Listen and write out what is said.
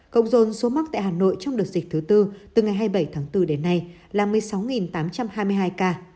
công dồn số mắc tại hà nội trong đợt dịch thứ tư từ ngày hai mươi bảy tháng bốn đến nay là một mươi sáu tám trăm hai mươi hai ca